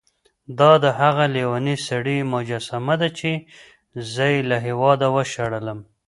دا د هغه لېوني سړي مجسمه ده چې زه یې له هېواده وشړلم.